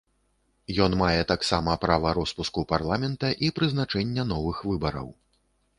Ён мае таксама права роспуску парламента і прызначэння новых выбараў.